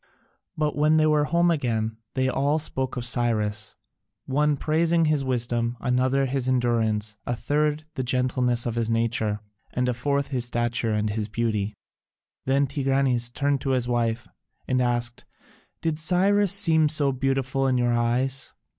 But when they were home again, they all spoke of Cyrus, one praising his wisdom, another his endurance, a third the gentleness of his nature, and a fourth his stature and his beauty. Then Tigranes turned to his wife and asked, "Did Cyrus seem so beautiful in your eyes?"